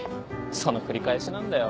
その繰り返しなんだよ。